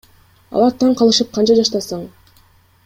Алар таң калышып Канча жаштасың?